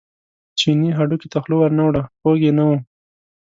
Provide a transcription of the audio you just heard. چیني هډوکي ته خوله ور نه وړه خوږ یې نه و.